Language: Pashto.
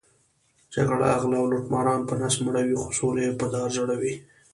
جګړه غله او لوټماران په نس مړوي، خو سوله یې په دار ځړوي.